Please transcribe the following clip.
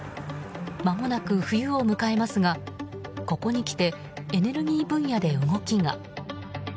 まもなく冬を迎えますがここにきてエネルギー分野で動きが。